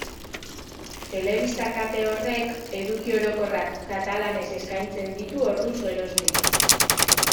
Telebista kate horrek eduki orokorrak katalanez eskaintzen ditu orduz geroztik.